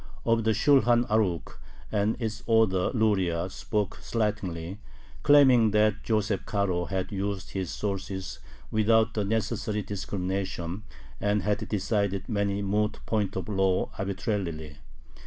Of the Shulhan Arukh and its author Luria spoke slightingly, claiming that Joseph Caro had used his sources without the necessary discrimination, and had decided many moot points of law arbitrarily.